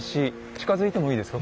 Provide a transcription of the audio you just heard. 近づいてもいいですか？